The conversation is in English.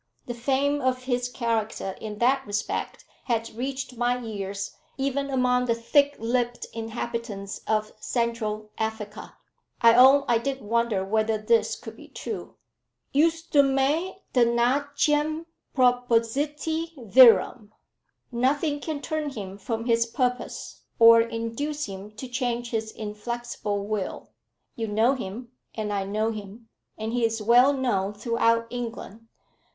The fame of his character in that respect had reached my ears even among the thick lipped inhabitants of Central Africa." I own I did wonder whether this could be true. "'Justum et tenacem propositi virum!' Nothing can turn him from his purpose, or induce him to change his inflexible will. You know him, and I know him, and he is well known throughout England.